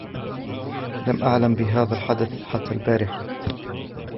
لم أعلم بهذا الحدث حتى البارحة.